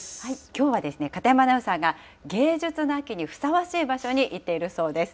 きょうは片山アナウンサーが、芸術の秋にふさわしい場所に行っているそうです。